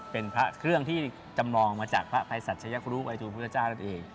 เป็นพระเครื่องที่จำลองมาจากพระภัยสัชยกรุภัยทูลพุทธเจ้านั่นเอง